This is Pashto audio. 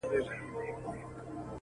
د ده نمبر هغه بل ننګرهاري ځوان راکړی وو